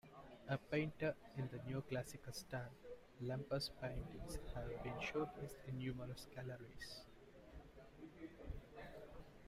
A painter in the neoclassical style, Lemper's paintings have been showcased in numerous galleries.